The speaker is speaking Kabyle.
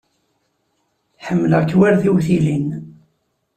Ḥemmleɣ-k war tiwtilin.